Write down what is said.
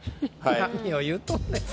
何を言うとんねん。